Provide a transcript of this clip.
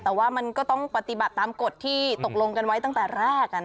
แต่ว่ามันก็ต้องปฏิบัติตามกฎที่ตกลงกันไว้ตั้งแต่แรก